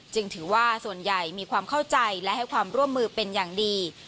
ถือว่าส่วนใหญ่มีความเข้าใจและให้ความร่วมมือเป็นอย่างดี